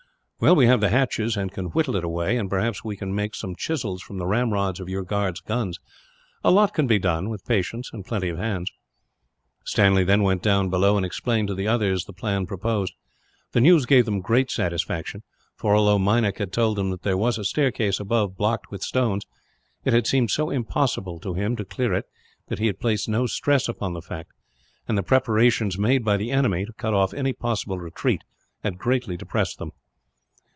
"We have the hatchets, and can whittle it away; and perhaps we can make some chisels, from the ramrods of your guards' guns. A lot can be done, with patience and plenty of hands." Stanley then went down below, and explained to the others the plan proposed. The news gave them great satisfaction; for although Meinik had told them there was a staircase above blocked with stones, it had seemed so impossible, to him, to clear it that he had placed no stress upon the fact; and the preparations made by the enemy to cut off any possible retreat had greatly depressed them.